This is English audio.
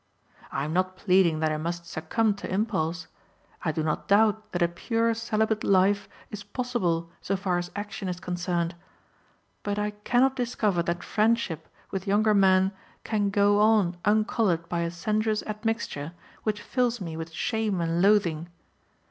I am not pleading that I must succumb to impulse. I do not doubt that a pure celibate life is possible so far as action is concerned. But I cannot discover that friendship with younger men can go on uncolored by a sensuous admixture which fills me with shame and loathing.